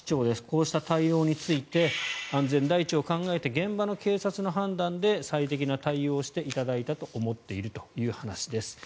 こうした対応について安全第一を考えて現場の警察の判断で最適な対応をしていただいたと思っているという話です。